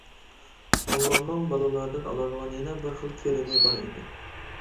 موللامنىڭ بالىلاردىن ئالىدىغان يەنە بىر خىل كىرىمى بار ئىدى.